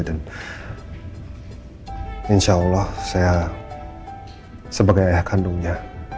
dan insya allah saya sebagai ayah kandungnya